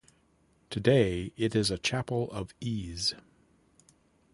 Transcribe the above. Today it is a chapel of ease.